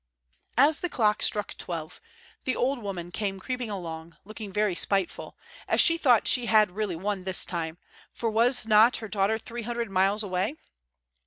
As the clock struck twelve, the old queen came creeping along, looking very spiteful, as she thought she had really won this time; for was not her daughter three hundred miles away?